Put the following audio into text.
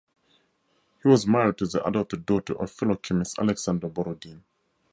He was married to the adopted daughter of fellow chemist Alexander Borodin.